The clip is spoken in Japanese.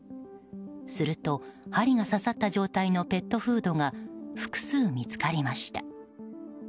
すると針が刺さった状態のペットフードが複数見つかりました。